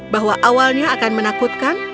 bahwa awalnya akan menakutkan